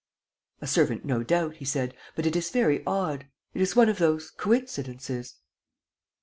..." "A servant, no doubt," he said, "but it is very odd ... it is one of those coincidences.